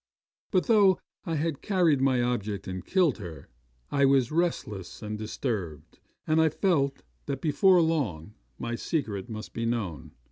'But though I had carried my object and killed her, I was restless and disturbed, and I felt that before long my secret must be known.